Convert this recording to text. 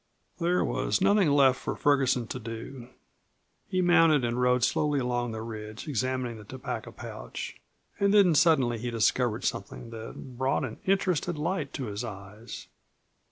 There was nothing left for Ferguson to do. He mounted and rode slowly along the ridge, examining the tobacco pouch. And then suddenly he discovered something that brought an interested light to his eyes.